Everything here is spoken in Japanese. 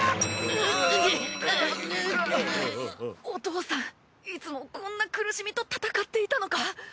お父さんいつもこんな苦しみと戦っていたのか。